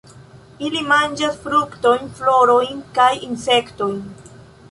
Ili manĝas fruktojn, florojn kaj insektojn.